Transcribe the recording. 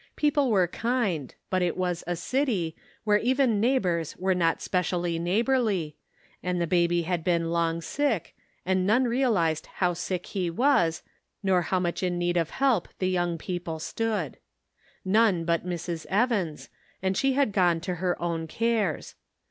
People were kind, but it was a city, where even neighbors were not specially neighborly, and the baby had been long sick, and none realized how sick he was, nor how much in need of help the young couple stood. None but Mrs. Evans, and she had gone to her own cares.